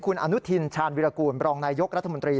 คุณอนุทินชาญวิรากูลบรองนายยกรัฐมนตรี